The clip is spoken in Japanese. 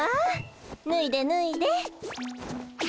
ぬいでぬいで。